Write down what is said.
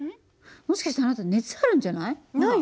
もしかしてあなた熱あるんじゃない？ないよ。